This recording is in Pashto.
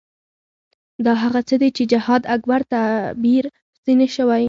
دا هغه څه دي چې جهاد اکبر تعبیر ځنې شوی.